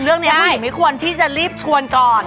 เรื่องนี้ผู้หญิงไม่ควรที่จะรีบชวนก่อน